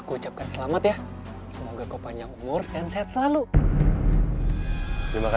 kau tenang saja